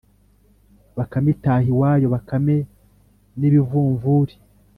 bakame itaha iwayo. bakame n’ibivumvuri